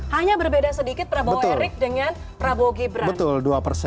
hanya berbeda sedikit prabowo erik dengan prabowo gibran